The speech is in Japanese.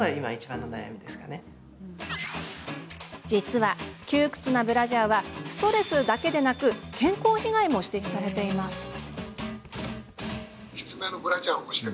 実は、窮屈なブラジャーはストレスだけでなく健康被害も指摘されています。